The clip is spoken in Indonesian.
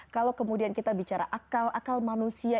kalau kemudian kita bicara akal akal manusia